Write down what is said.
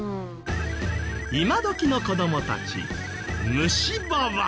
今どきの子どもたち虫歯は。